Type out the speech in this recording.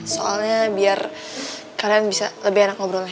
soalnya biar kalian bisa lebih enak ngobrolnya